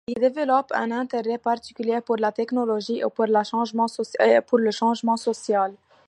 Elle y développe un intérêt particulier pour la technologie et pour le changement social.